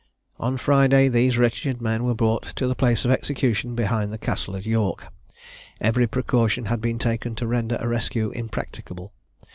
On Friday these wretched men were brought to the place of execution, behind the Castle at York. Every precaution had been taken to render a rescue impracticable.